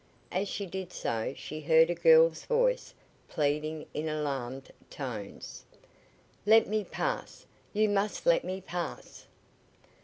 As she did so she heard a girl's voice pleading in alarmed tones: "Let me pass! You must let me pass!"